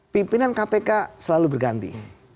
pimpinan kpk selalu berganti